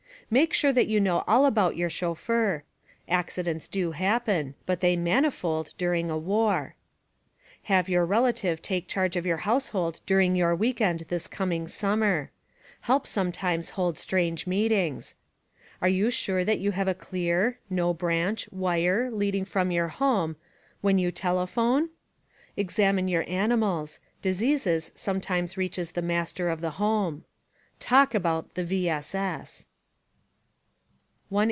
Make sure that you know all about your chauffeur ; accidents do happen. But they manifold during a war. Plave your relative take charge of 3'our household during your week end this coming summer. Help sometimes bold strange meetings. Are you sure that you have a clear (no branch) wire running from your home — when you 20 SPY PROOF AMERICA telephone? Examine your animals: Diseases sometimes reaches the master^ of the home. Talk about the— V. S. S.